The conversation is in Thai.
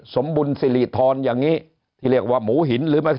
สมบุญทรีรธรณยังนี้ที่เรียกว่าหมู่หินหรือไหม